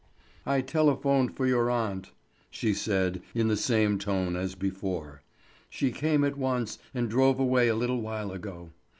"I telephoned for your aunt," she said in the same tone as before. "She came at once, and drove away a little while ago."